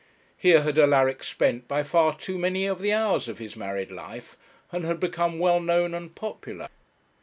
Here had Alaric spent by far too many of the hours of his married life, and had become well known and popular.